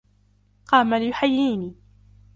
قام ليحييني.